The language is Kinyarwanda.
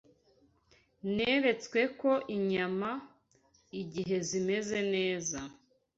Neretswe ko inyama, igihe zimeze neza